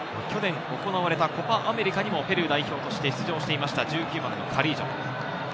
去年行われたコパ・アメリカにもペルー代表として出場していました、１９番のカリージョ。